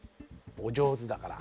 お上手だから。